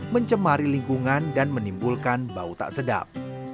mencemari lingkungan dan menimbulkan bau tak sedap